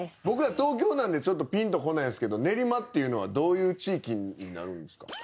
僕ら東京なんでちょっとピンとこないんですけど練馬っていうのはどういう地域になるんですか？